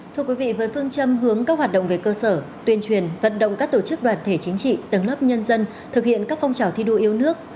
thưa quý vị với phương châm hướng các hoạt động về cơ sở tuyên truyền vận động các tổ chức đoàn thể chính trị tầng lớp nhân dân thực hiện các phong trào thi đua yêu nước